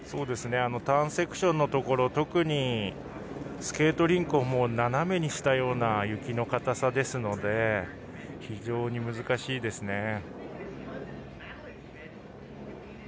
ターンセクションのところ特に、スケートリンクを斜めにしたような雪のかたさですので非常に難しいですね。